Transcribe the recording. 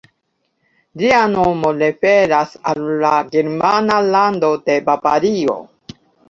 Ĝia nomo referas al la germana lando de Bavario.